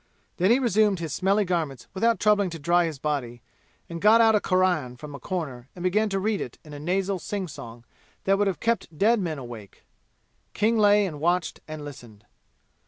Then he resumed his smelly garments without troubling to dry his body, and got out a Quran from a corner and began to read it in a nasal singsong that would have kept dead men awake. King lay and watched and listened.